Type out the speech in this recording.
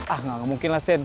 ah gak mungkin lah sen